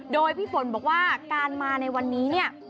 โดยพี่ฝนบอกว่าการมาในวันนี้เนี่ย